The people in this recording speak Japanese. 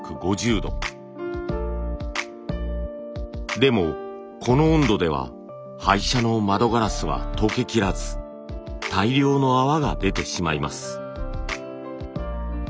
でもこの温度では廃車の窓ガラスは溶けきらず大量の泡が出てしまいます。